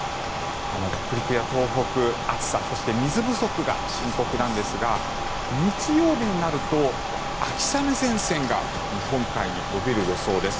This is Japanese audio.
北陸や東北、暑さそして水不足が深刻なんですが日曜日になると秋雨前線が日本海に延びる予想です。